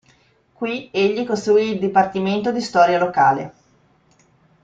Qui egli costruì il Dipartimento di Storia locale.